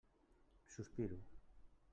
Sospiro.